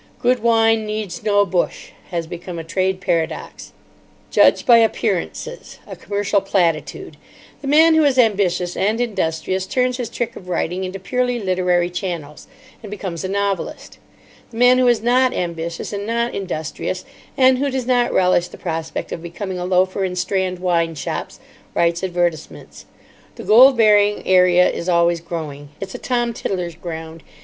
'Good wine needs no bush' has become a trade paradox, 'Judge by appearances,' a commercial platitude. The man who is ambitious and industrious turns his trick of writing into purely literary channels, and becomes a novelist. The man who is not ambitious and not industrious, and who does not relish the prospect of becoming a loafer in Strand wine shops, writes advertisements. The gold bearing area is always growing. It's a Tom Tiddler's ground.